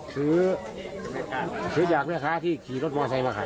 ซื้อจากแม่ค้าที่ขี่รถมอไซค์มาขาย